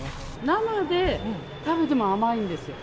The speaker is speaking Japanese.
生で食べても甘いんですよ。